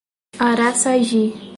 Araçagi